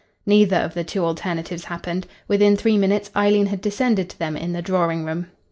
Neither of the two alternatives happened. Within three minutes Eileen had descended to them in the drawing room.